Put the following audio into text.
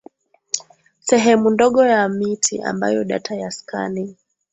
sehemu ndogo ya miti ambayo data ya skanning